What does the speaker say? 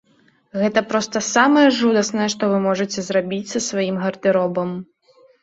Гэта проста самае жудаснае, што вы можаце зрабіць са сваім гардэробам.